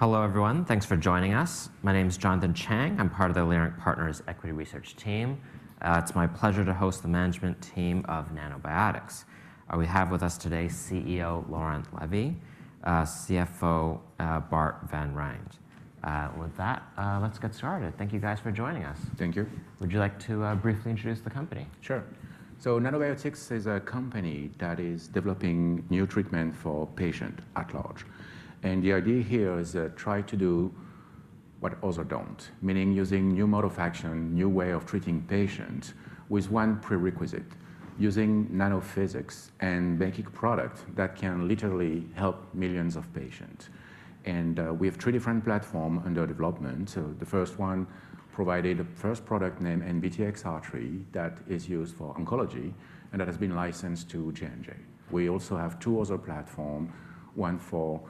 Hello, everyone. Thanks for joining us. My name is Jonathan Chang. I'm part of the Leerink Partners Equity Research team. It's my pleasure to host the management team of Nanobiotix. We have with us today CEO Laurent Lévy, CFO Bart Van Rhijn. With that, let's get started. Thank you, guys, for joining us. Thank you. Would you like to briefly introduce the company? Sure. Nanobiotix is a company that is developing new treatments for patients at large. The idea here is to try to do what others don't, meaning using new modes of action, new ways of treating patients with one prerequisite: using nanophysics and making products that can literally help millions of patients. We have three different platforms under development. The first one provided the first product named NBTXR3 that is used for oncology, and that has been licensed to J&J. We also have two other platforms, one for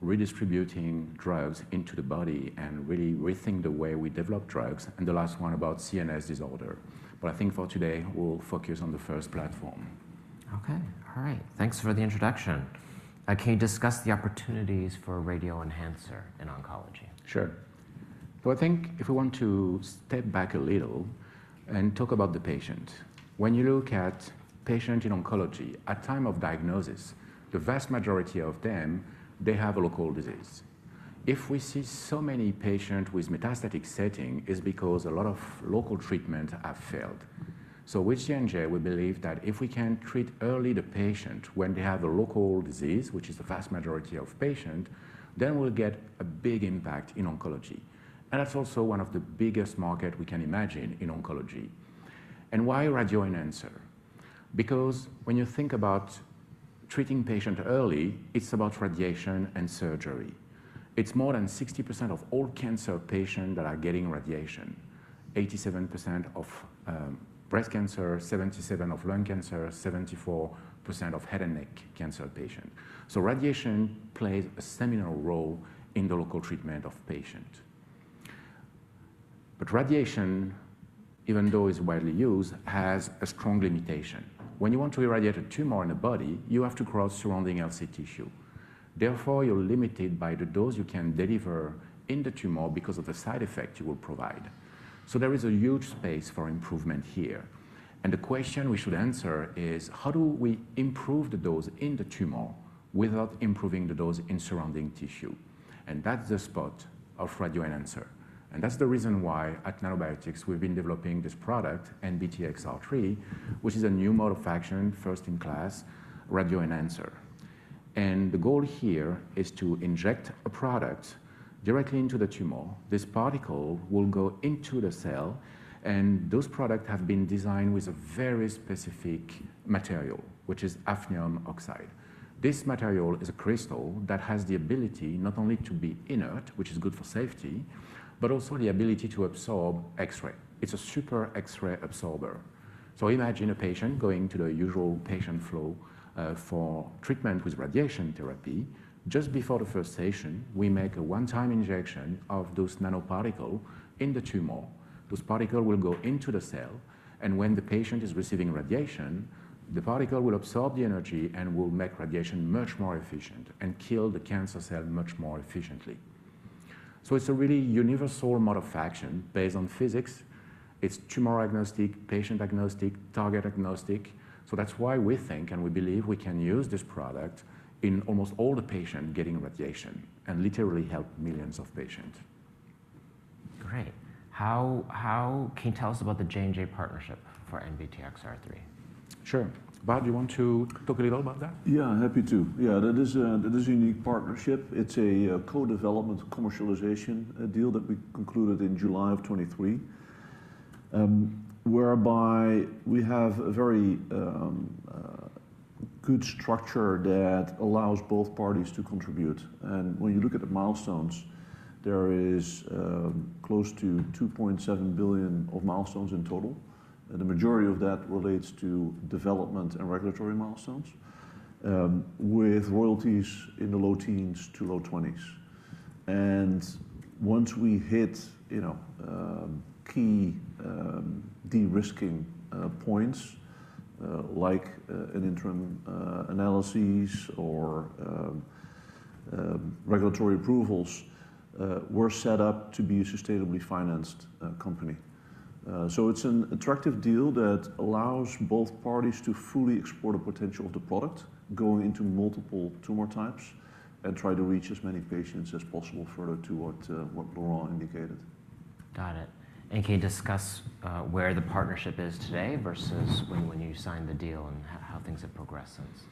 redistributing drugs into the body and really rethinking the way we develop drugs, and the last one about CNS disorder. I think for today, we'll focus on the first platform. OK. All right. Thanks for the introduction. Can you discuss the opportunities for radioenhancer in oncology? Sure. I think if we want to step back a little and talk about the patient, when you look at patients in oncology at the time of diagnosis, the vast majority of them, they have a local disease. If we see so many patients with metastatic setting, it's because a lot of local treatments have failed. With J&J, we believe that if we can treat early the patient when they have a local disease, which is the vast majority of patients, then we'll get a big impact in oncology. That's also one of the biggest markets we can imagine in oncology. Why radioenhancer? Because when you think about treating patients early, it's about radiation and surgery. It's more than 60% of all cancer patients that are getting radiation: 87% of breast cancer, 77% of lung cancer, 74% of head and neck cancer patients. Radiation plays a seminal role in the local treatment of patients. Radiation, even though it's widely used, has a strong limitation. When you want to irradiate a tumor in the body, you have to cross surrounding healthy tissue. Therefore, you're limited by the dose you can deliver in the tumor because of the side effects you will provide. There is a huge space for improvement here. The question we should answer is, how do we improve the dose in the tumor without improving the dose in surrounding tissue? That's the spot of radioenhancer. That's the reason why at Nanobiotix, we've been developing this product, NBTXR3, which is a new mode of action, first in class, radioenhancer. The goal here is to inject a product directly into the tumor. This particle will go into the cell. Those products have been designed with a very specific material, which is hafnium oxide. This material is a crystal that has the ability not only to be inert, which is good for safety, but also the ability to absorb X-ray. It's a super X-ray absorber. Imagine a patient going to their usual patient flow for treatment with radiation therapy. Just before the first session, we make a one-time injection of those nanoparticles in the tumor. Those particles will go into the cell. When the patient is receiving radiation, the particle will absorb the energy and will make radiation much more efficient and kill the cancer cell much more efficiently. It's a really universal mode of action based on physics. It's tumor agnostic, patient agnostic, target agnostic. That's why we think and we believe we can use this product in almost all the patients getting radiation and literally help millions of patients. Great. Can you tell us about the J&J partnership for NBTXR3? Sure. Bart, do you want to talk a little about that? Yeah, happy to. Yeah, that is a unique partnership. It's a co-development commercialization deal that we concluded in July of 2023, whereby we have a very good structure that allows both parties to contribute. When you look at the milestones, there is close to $2.7 billion of milestones in total. The majority of that relates to development and regulatory milestones, with royalties in the low teens to low 20s. Once we hit key de-risking points, like interim analyses or regulatory approvals, we're set up to be a sustainably financed company. It's an attractive deal that allows both parties to fully explore the potential of the product, going into multiple tumor types, and try to reach as many patients as possible further toward what Laurent indicated. Got it. Can you discuss where the partnership is today versus when you signed the deal and how things have progressed since?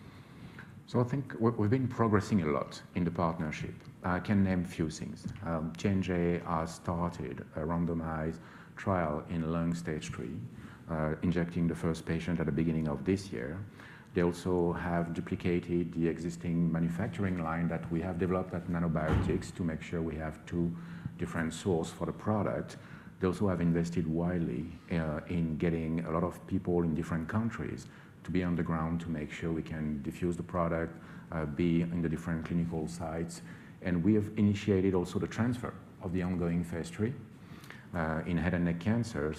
I think we've been progressing a lot in the partnership. I can name a few things. J&J has started a randomized trial in lung Stage III, injecting the first patient at the beginning of this year. They also have duplicated the existing manufacturing line that we have developed at Nanobiotix to make sure we have two different sources for the product. They also have invested widely in getting a lot of people in different countries to be on the ground to make sure we can diffuse the product, be in the different clinical sites. We have initiated also the transfer of the ongoing phase III in head and neck cancer.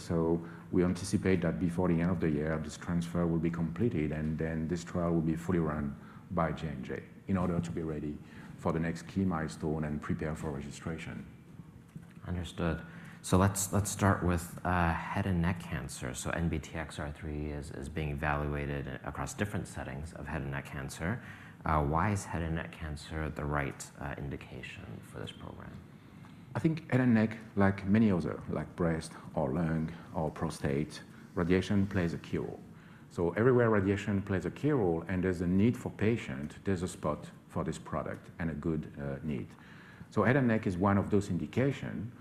We anticipate that before the end of the year, this transfer will be completed, and then this trial will be fully run by J&J in order to be ready for the next key milestone and prepare for registration. Understood. Let's start with head and neck cancer. NBTXR3 is being evaluated across different settings of head and neck cancer. Why is head and neck cancer the right indication for this program? I think head and neck, like many others, like breast or lung or prostate, radiation plays a key role. Everywhere radiation plays a key role and there's a need for patients, there's a spot for this product and a good need. Head and neck is one of those indications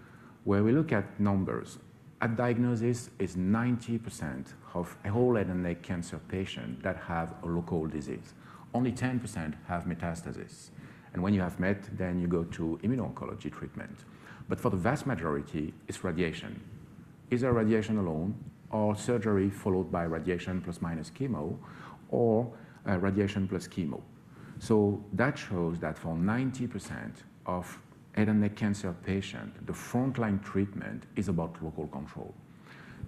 where we look at numbers. At diagnosis, it's 90% of all head and neck cancer patients that have a local disease. Only 10% have metastasis. When you have met, then you go to immuno-oncology treatment. For the vast majority, it's radiation. Either radiation alone or surgery followed by radiation plus/minus chemo or radiation plus chemo. That shows that for 90% of head and neck cancer patients, the frontline treatment is about local control.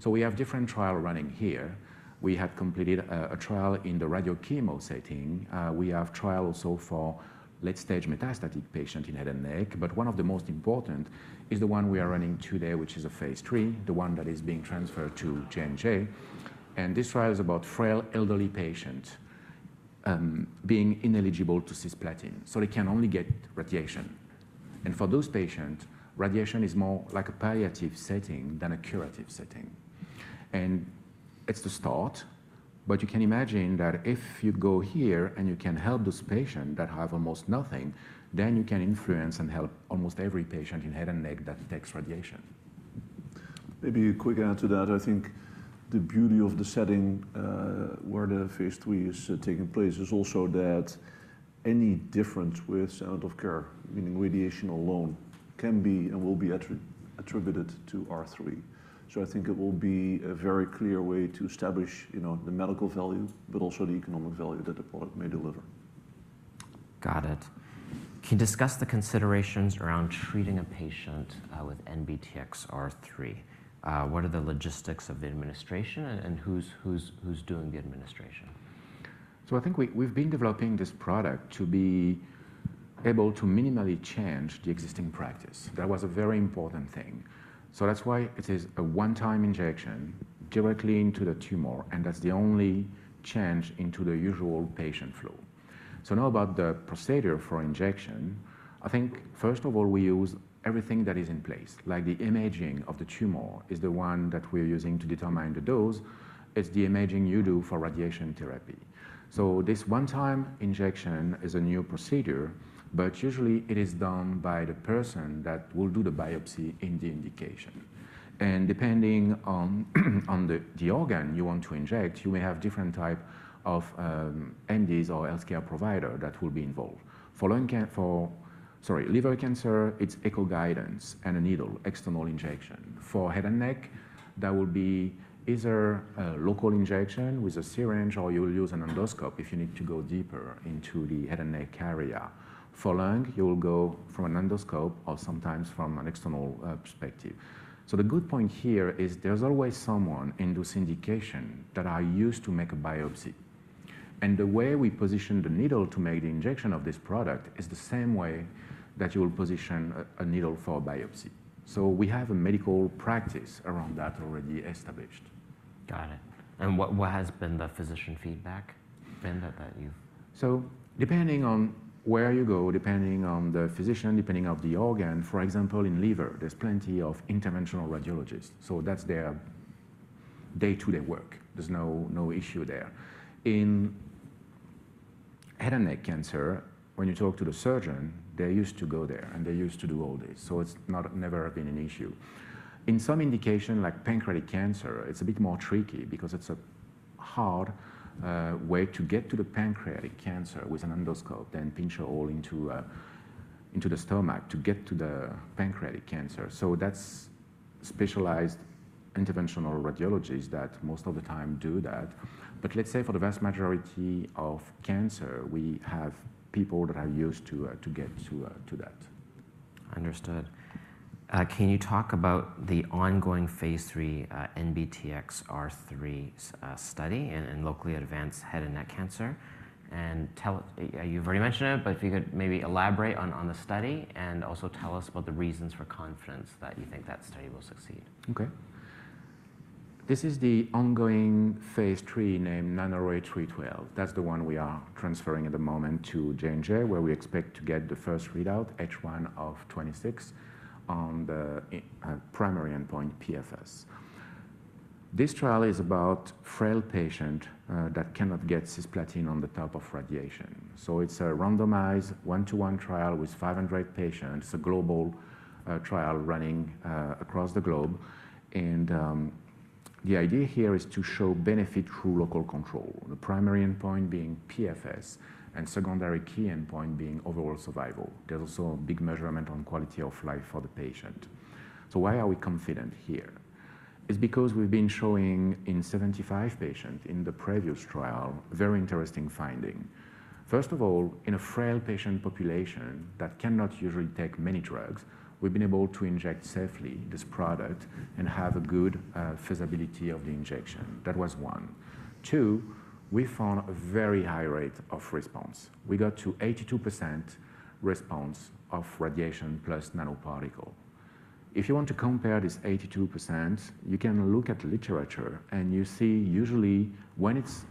We have different trials running here. We have completed a trial in the radio-chemo setting. We have trials also for late-stage metastatic patients in head and neck. One of the most important is the one we are running today, which is a phase III, the one that is being transferred to J&J. This trial is about frail elderly patients being ineligible to cisplatin. They can only get radiation. For those patients, radiation is more like a palliative setting than a curative setting. It is the start. You can imagine that if you go here and you can help those patients that have almost nothing, you can influence and help almost every patient in head and neck that takes radiation. Maybe a quick add to that. I think the beauty of the setting where the phase III is taking place is also that any difference with standard of care, meaning radiation alone, can be and will be attributed to R3. I think it will be a very clear way to establish the medical value, but also the economic value that the product may deliver. Got it. Can you discuss the considerations around treating a patient with NBTXR3? What are the logistics of the administration and who's doing the administration? I think we've been developing this product to be able to minimally change the existing practice. That was a very important thing. That's why it is a one-time injection directly into the tumor. That's the only change into the usual patient flow. Now about the procedure for injection. First of all, we use everything that is in place, like the imaging of the tumor is the one that we're using to determine the dose. It's the imaging you do for radiation therapy. This one-time injection is a new procedure, but usually it is done by the person that will do the biopsy in the indication. Depending on the organ you want to inject, you may have different types of MDs or health care providers that will be involved. For liver cancer, it's echo-guidance and a needle, external injection. For head and neck, that will be either a local injection with a syringe or you'll use an endoscope if you need to go deeper into the head and neck area. For lung, you will go from an endoscope or sometimes from an external perspective. The good point here is there's always someone in this indication that is used to make a biopsy. The way we position the needle to make the injection of this product is the same way that you will position a needle for biopsy. We have a medical practice around that already established. Got it. What has the physician feedback been that you've? Depending on where you go, depending on the physician, depending on the organ, for example, in liver, there are plenty of interventional radiologists. That is their day-to-day work. There is no issue there. In head and neck cancer, when you talk to the surgeon, they used to go there, and they used to do all this. It has never been an issue. In some indications, like pancreatic cancer, it is a bit more tricky because it is a hard way to get to the pancreatic cancer with an endoscope, then pinch a hole into the stomach to get to the pancreatic cancer. That is specialized interventional radiologists that most of the time do that. For the vast majority of cancer, we have people that are used to get to that. Understood. Can you talk about the ongoing phase III NBTXR3 study in locally advanced head and neck cancer? You have already mentioned it, but if you could maybe elaborate on the study and also tell us about the reasons for confidence that you think that study will succeed. OK. This is the ongoing phase III named NANORAY-312. That's the one we are transferring at the moment to J&J, where we expect to get the first readout, H1 of 2026, on the primary endpoint PFS. This trial is about a frail patient that cannot get cisplatin on the top of radiation. It is a randomized one-to-one trial with 500 patients. It's a global trial running across the globe. The idea here is to show benefit through local control, the primary endpoint being PFS and secondary key endpoint being overall survival. There is also a big measurement on quality of life for the patient. Why are we confident here? It's because we've been showing in 75 patients in the previous trial a very interesting finding. First of all, in a frail patient population that cannot usually take many drugs, we've been able to inject safely this product and have a good feasibility of the injection. That was one. Two, we found a very high rate of response. We got to 82% response of radiation plus nanoparticle. If you want to compare this 82%, you can look at the literature. You see, usually, when it's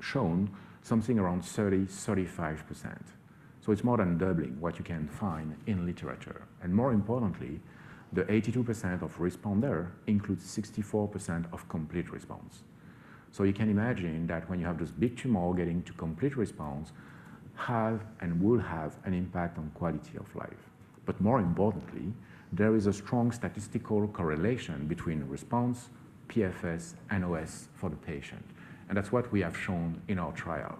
shown, something around 30%, 35%. It is more than doubling what you can find in literature. More importantly, the 82% of responder includes 64% of complete response. You can imagine that when you have this big tumor getting to complete response, it has and will have an impact on quality of life. More importantly, there is a strong statistical correlation between response, PFS, and OS for the patient. That is what we have shown in our trial.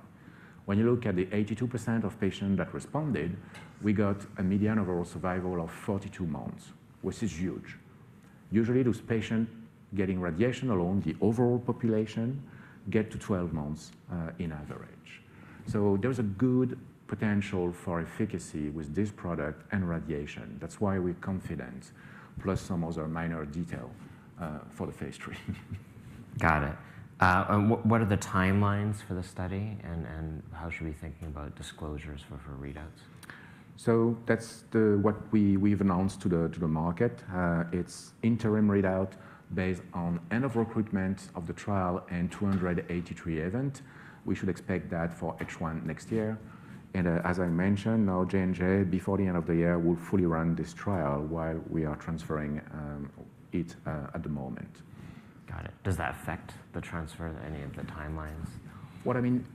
When you look at the 82% of patients that responded, we got a median overall survival of 42 months, which is huge. Usually, those patients getting radiation alone, the overall population, get to 12 months in average. There is a good potential for efficacy with this product and radiation. That is why we are confident, plus some other minor detail for the phase III. Got it. What are the timelines for the study? How should we be thinking about disclosures for readouts? That's what we've announced to the market. It's interim readout based on end-of-recruitment of the trial and 283 event. We should expect that for H1 next year. As I mentioned, now J&J, before the end of the year, will fully run this trial while we are transferring it at the moment. Got it. Does that affect the transfer of any of the timelines? I mean,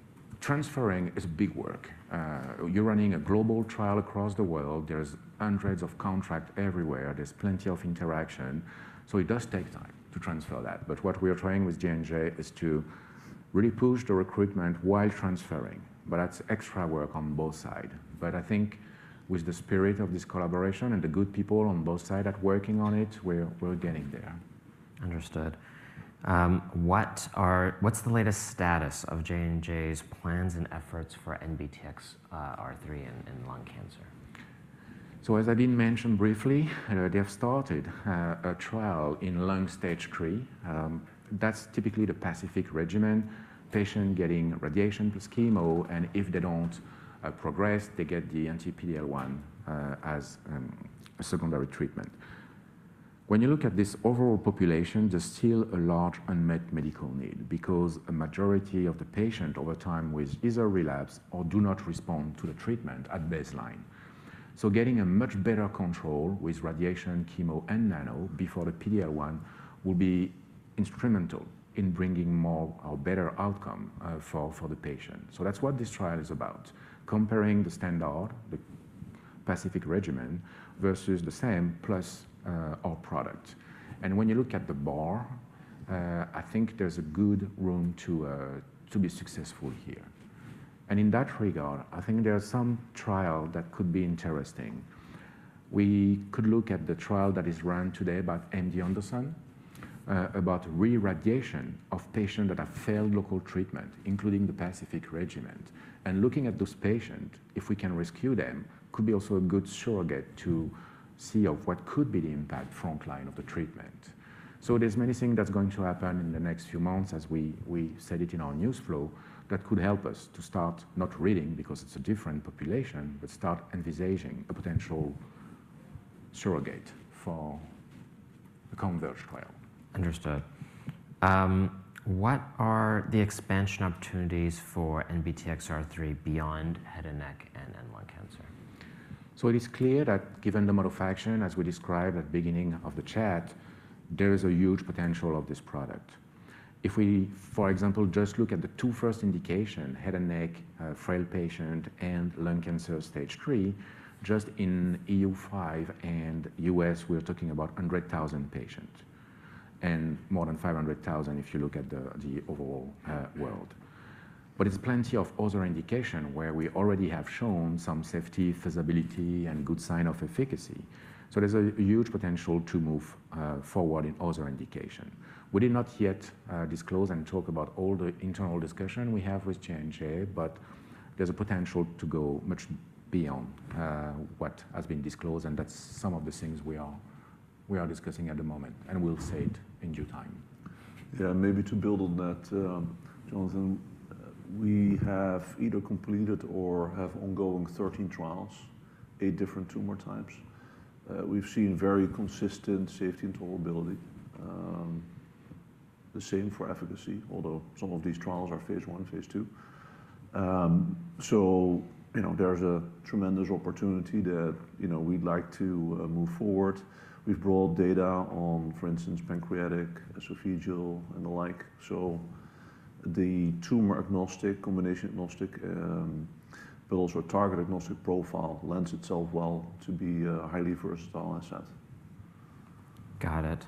transferring is big work. You're running a global trial across the world. There's hundreds of contracts everywhere. There's plenty of interaction. It does take time to transfer that. What we are trying with J&J is to really push the recruitment while transferring. That's extra work on both sides. I think with the spirit of this collaboration and the good people on both sides that are working on it, we're getting there. Understood. What's the latest status of J&J's plans and efforts for NBTXR3 in lung cancer? As I did mention briefly, they have started a trial in lung Stage III. That is typically the PACIFIC regimen, patients getting radiation plus chemo. If they do not progress, they get the anti-PD-L1 as a secondary treatment. When you look at this overall population, there is still a large unmet medical need because a majority of the patients over time will either relapse or do not respond to the treatment at baseline. Getting a much better control with radiation, chemo, and nano before the PD-L1 will be instrumental in bringing more or better outcome for the patient. That is what this trial is about, comparing the standard, the PACIFIC regimen, versus the same plus our product. When you look at the bar, I think there is a good room to be successful here. In that regard, I think there are some trials that could be interesting. We could look at the trial that is run today by MD Anderson about reirradiation of patients that have failed local treatment, including the PACIFIC regimen. Looking at those patients, if we can rescue them, could be also a good surrogate to see what could be the impact frontline of the treatment. There are many things that are going to happen in the next few months, as we said it in our news flow, that could help us to start not reading because it's a different population, but start envisaging a potential surrogate for the concurrent trial. Understood. What are the expansion opportunities for NBTXR3 beyond head and neck and lung cancer? It is clear that given the mode of action, as we described at the beginning of the chat, there is a huge potential of this product. If we, for example, just look at the two first indications, head and neck, frail patient, and lung cancer stage III, just in EU5 and U.S., we're talking about 100,000 patients and more than 500,000 if you look at the overall world. There are plenty of other indications where we already have shown some safety, feasibility, and good sign of efficacy. There is a huge potential to move forward in other indications. We did not yet disclose and talk about all the internal discussion we have with J&J, but there is a potential to go much beyond what has been disclosed. That is some of the things we are discussing at the moment. We will say it in due time. Yeah, maybe to build on that, Jonathan, we have either completed or have ongoing 13 trials, eight different tumor types. We've seen very consistent safety and tolerability. The same for efficacy, although some of these trials are phase I, phase II. There is a tremendous opportunity that we'd like to move forward. We've brought data on, for instance, pancreatic, esophageal, and the like. The tumor agnostic, combination agnostic, but also target agnostic profile lends itself well to be a highly versatile asset. Got it.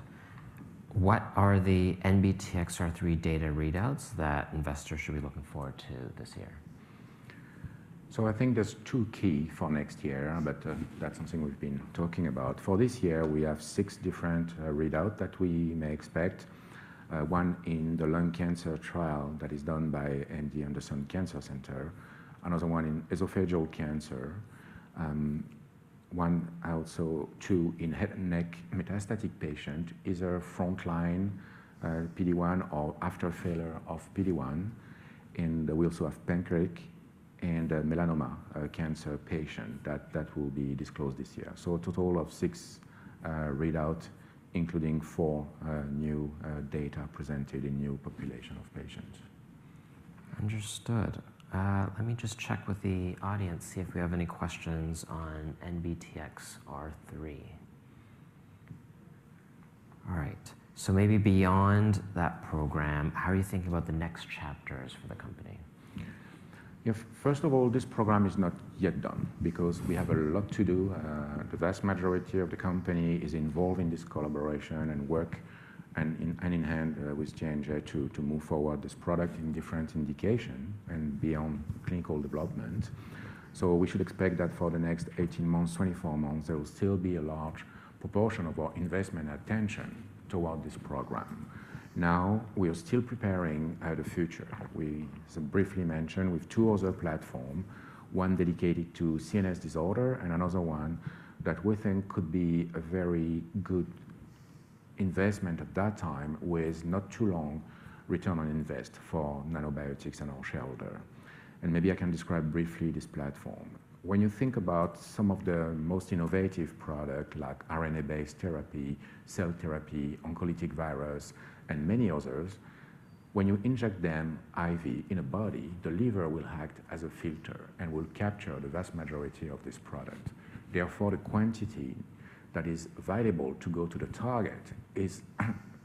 What are the NBTXR3 data readouts that investors should be looking forward to this year? I think there's two key for next year, but that's something we've been talking about. For this year, we have six different readouts that we may expect, one in the lung cancer trial that is done by MD Anderson Cancer Center, another one in esophageal cancer, one also two in head and neck metastatic patient, either frontline PD-1 or after failure of PD-1. We also have pancreatic and melanoma cancer patient that will be disclosed this year. A total of six readouts, including four new data presented in new population of patients. Understood. Let me just check with the audience, see if we have any questions on NBTXR3. All right. Maybe beyond that program, how are you thinking about the next chapters for the company? Yeah, first of all, this program is not yet done because we have a lot to do. The vast majority of the company is involved in this collaboration and work hand in hand with J&J to move forward this product in different indications and beyond clinical development. We should expect that for the next 18 months-24 months, there will still be a large proportion of our investment attention toward this program. Now, we are still preparing the future. As I briefly mentioned, we have two other platforms, one dedicated to CNS disorder and another one that we think could be a very good investment at that time with not too long return on invest for Nanobiotix and our shareholder. Maybe I can describe briefly this platform. When you think about some of the most innovative products, like RNA-based therapy, cell therapy, oncolytic virus, and many others, when you inject them IV in a body, the liver will act as a filter and will capture the vast majority of this product. Therefore, the quantity that is available to go to the target is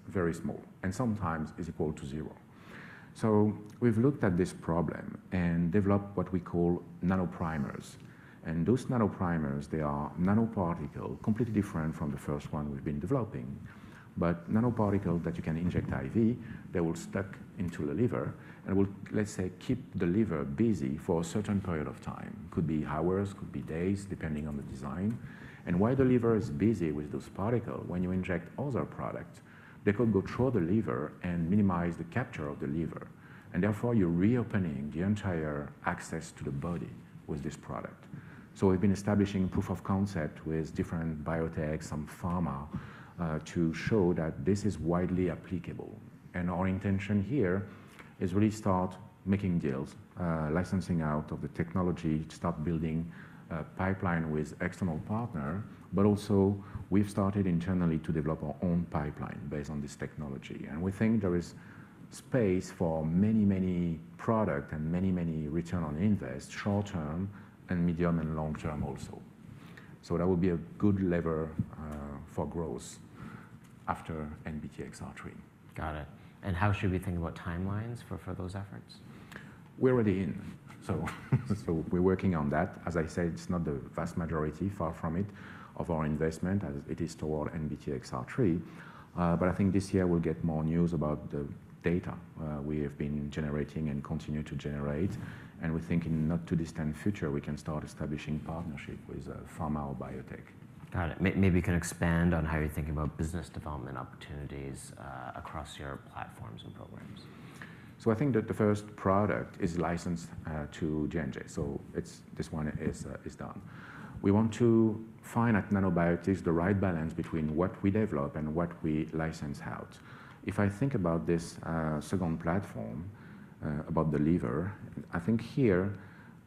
very small and sometimes is equal to zero. We have looked at this problem and developed what we call Nanoprimers. Those Nanoprimers, they are nanoparticles, completely different from the first one we have been developing. Nanoparticles that you can inject IV, they will stick into the liver and will, let's say, keep the liver busy for a certain period of time. It could be hours, it could be days, depending on the design. While the liver is busy with those particles, when you inject other products, they could go through the liver and minimize the capture of the liver. Therefore, you're reopening the entire access to the body with this product. We have been establishing proof of concept with different biotechs, some pharma, to show that this is widely applicable. Our intention here is really to start making deals, licensing out of the technology, and start building a pipeline with external partners. We have also started internally to develop our own pipeline based on this technology. We think there is space for many, many products and many, many return on invest short term and medium and long term also. That would be a good lever for growth after NBTXR3. Got it. How should we think about timelines for those efforts? We're already in. We're working on that. As I said, it's not the vast majority, far from it, of our investment as it is toward NBTXR3. I think this year we'll get more news about the data we have been generating and continue to generate. We think in not too distant future, we can start establishing partnerships with pharma or biotech. Got it. Maybe you can expand on how you're thinking about business development opportunities across your platforms and programs. I think that the first product is licensed to J&J. This one is done. We want to find at Nanobiotix the right balance between what we develop and what we license out. If I think about this second platform, about the liver, I think here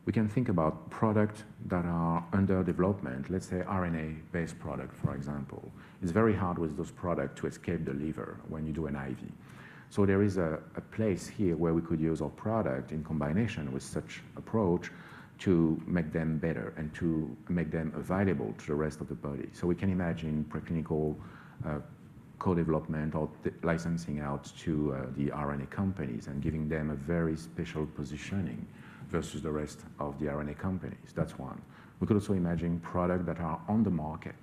we can think about products that are under development, let's say RNA-based products, for example. It's very hard with those products to escape the liver when you do an IV. There is a place here where we could use our product in combination with such approach to make them better and to make them available to the rest of the body. We can imagine preclinical co-development or licensing out to the RNA companies and giving them a very special positioning versus the rest of the RNA companies. That's one. We could also imagine products that are on the market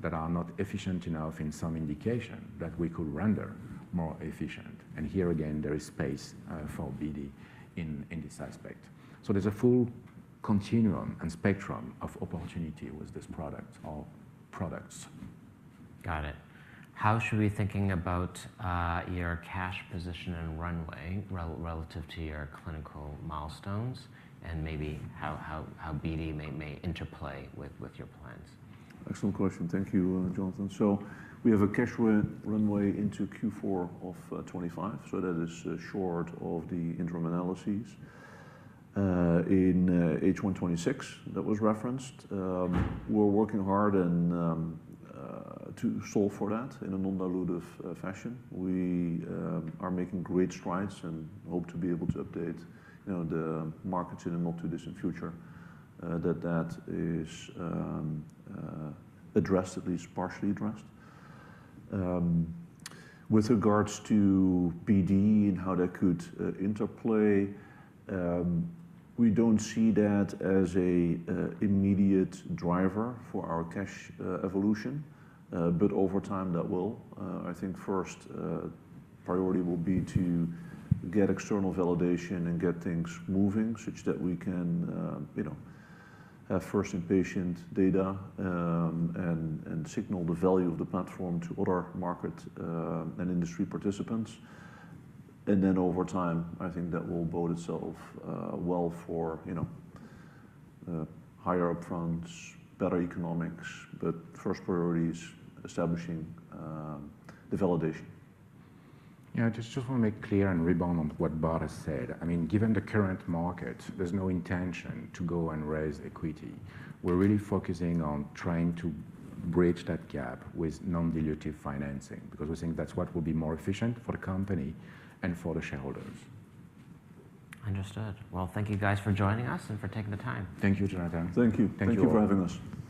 that are not efficient enough in some indication that we could render more efficient. Here, again, there is space for BD in this aspect. There is a full continuum and spectrum of opportunity with this product or products. Got it. How should we be thinking about your cash position and runway relative to your clinical milestones? Maybe how BD may interplay with your plans? Excellent question. Thank you, Jonathan. We have a cash runway into Q4 of 2025. That is short of the interim analyses in H1 2026 that was referenced. We are working hard to solve for that in a non-dilutive fashion. We are making great strides and hope to be able to update the markets in the not too distant future that that is addressed, at least partially addressed. With regards to BD and how that could interplay, we do not see that as an immediate driver for our cash evolution. Over time, that will. I think first priority will be to get external validation and get things moving such that we can have first-in-patient data and signal the value of the platform to other market and industry participants. Over time, I think that will bode itself well for higher upfront, better economics. First priority is establishing the validation. Yeah, I just want to make clear and rebound on what Bart has said. I mean, given the current market, there's no intention to go and raise equity. We're really focusing on trying to bridge that gap with non-dilutive financing because we think that's what will be more efficient for the company and for the shareholders. Understood. Thank you guys for joining us and for taking the time. Thank you, Jonathan. Thank you. Thank you for having us.